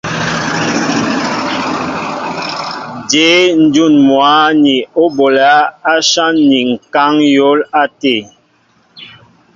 Jě ǹjún mwǎ ni á bolɛ̌ áshán ni ŋ̀kaŋ á yɔ̌l tê ?